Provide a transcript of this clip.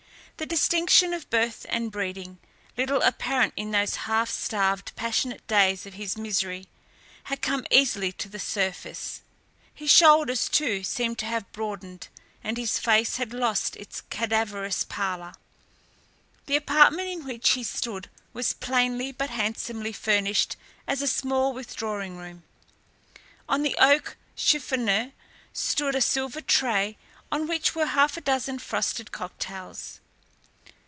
The distinction of birth and breeding, little apparent in those half starved, passionate days of his misery, had come easily to the surface. His shoulders, too, seemed to have broadened, and his face had lost its cadaverous pallor. The apartment in which he stood was plainly but handsomely furnished as a small withdrawing room. On the oak chiffonier stood a silver tray on which were half a dozen frosted cocktails.